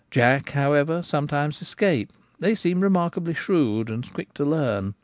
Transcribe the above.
Jack, however, sometimes escape ; they seem remarkably shrewd and quick to learn.